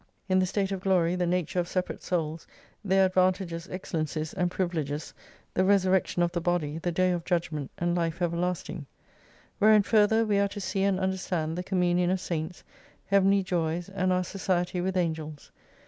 In the state of Glory, the nature of separate Souls, their advantages, excellencies and privileges, the resurrec tion of the body, the day of judgment, and hfe ever lasting. Wherein further we are to see and understand the communion of Saints, Heavenly joys, and our society with Angels.